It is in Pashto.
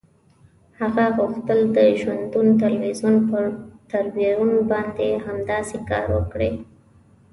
هغه غوښتل د ژوندون تلویزیون پر تریبیون باندې همداسې کار وکړي.